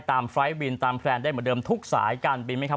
ไฟล์บินตามแพลนได้เหมือนเดิมทุกสายการบินไหมครับ